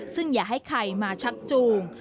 ซึ่งอย่าให้ใครมาชักจูง